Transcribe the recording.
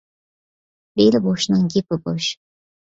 بېلى بوشنىڭ گېپى بوش.